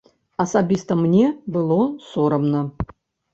Асабіста мне было сорамна.